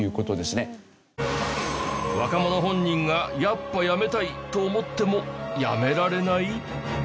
若者本人が「やっぱやめたい」と思ってもやめられない？